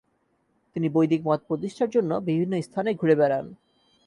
তিনি বৈদিক মত প্রতিষ্ঠার জন্য বিভিন্ন স্থানে ঘুরে বেড়ান।